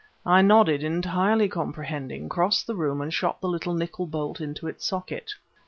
I nodded, entirely comprehending, crossed the room and shot the little nickel bolt into its socket.